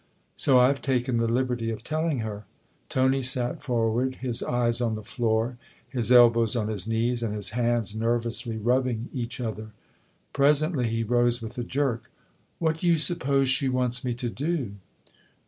" So I've taken the liberty of telling her." Tony sat forward, his eyes on the floor, his elbows on his knees and his hands nervously rubbing each other. Presently he rose with a jerk. " What do you suppose she wants me to do